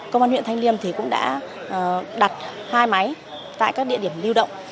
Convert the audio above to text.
công an huyện thanh liêm cũng đã đặt hai máy tại các địa điểm lưu động